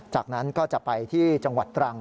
จากนั้นก็จะไปที่จังหวัดตรัง